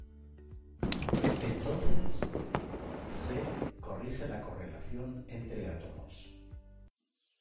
Entonces, "g" corrige la correlación entre átomos.